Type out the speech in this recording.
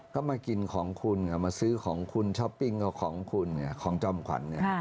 ก็มากินของคุณมาซื้อของคุณช้อปปิงก็ของคุณของจ้อมขวัญ